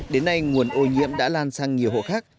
đến nay nguồn ô nhiễm đã lan sang nhiều hộ khác